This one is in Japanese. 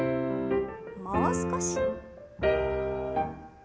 もう少し。